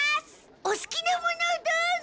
おすきな物をどうぞ！